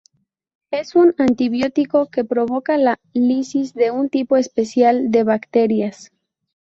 Es un antibiótico que provoca la lisis de un tipo especial de bacterias.